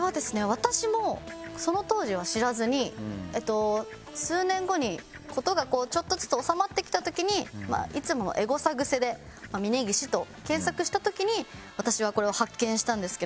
私もその当時は知らずにえっと数年後に事がちょっとずつ収まってきた時にいつものエゴサ癖で「峯岸」と検索した時に私はこれを発見したんですけれども。